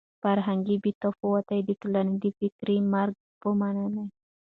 فرهنګي بې تفاوتي د ټولنې د فکري مرګ په مانا ده.